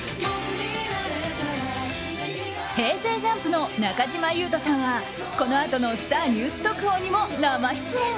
ＪＵＭＰの中島裕翔さんはこのあとのスター☆ニュース速報にも生出演。